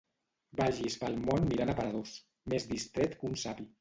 Vagis pel món mirant aparadors, més distret que un savi.